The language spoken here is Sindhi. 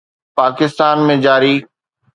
پاڪستان ۾ جاري